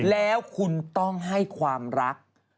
แล้วคุณต้องให้ความรัก